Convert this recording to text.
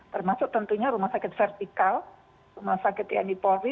termasuk tentunya rumah sakit vertikal rumah sakit tni polri